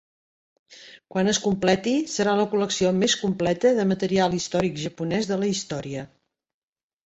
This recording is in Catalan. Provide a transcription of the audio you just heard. Quan es completi, serà la col·lecció més completa de material històric japonès de la història.